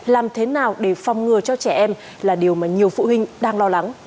làm thế nào để phòng ngừa cho trẻ em là điều mà nhiều phụ huynh đang lo lắng